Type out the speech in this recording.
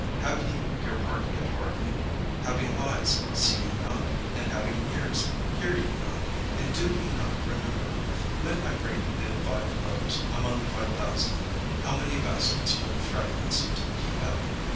Have ye your heart yet hardened? Having eyes, see ye not, and having ears, hear ye not, and do ye not remember? When I brake the five loaves among five thousand, how many baskets full of fragments took ye up?"